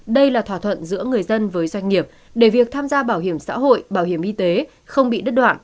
đây là thỏa thuận giữa người dân với doanh nghiệp để việc tham gia bảo hiểm xã hội bảo hiểm y tế không bị đứt đoạn